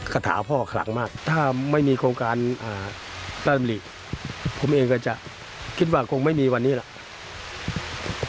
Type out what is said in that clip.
คาถาพ่อคลังมากถ้าไม่มีโครงการพระราชดำริผมเองก็จะคิดว่าคงไม่มีวันนี้หรอก